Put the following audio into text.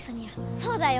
そうだよ。